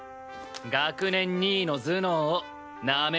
学年２位の頭脳をなめるなよ！